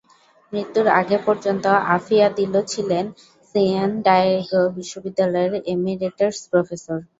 মৃত্যুর আগে পর্যন্ত আফিয়া দিল ছিলেন সান ডিয়েগো বিশ্ববিদ্যালয়ের ইমেরিটাস প্রফেসর।